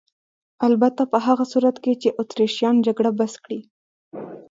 البته په هغه صورت کې چې اتریشیان جګړه بس کړي.